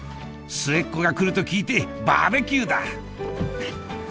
末っ子が来ると聞いてバーベキューだ！